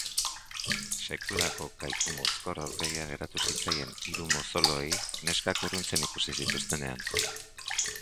Sekulako kaikumozkor aurpegia geratu zitzaien hiru mozoloei neskak urruntzen ikusi zituztenean.